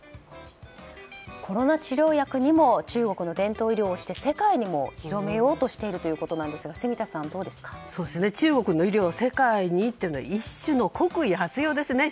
コロナ治療薬にも中国の伝統医療を推して世界にも広めようとしているということなんですが中国の医療を世界にというのは一種の国威発揚ですよね